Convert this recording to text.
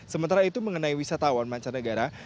sementara itu mengenai wisatawan mancanegara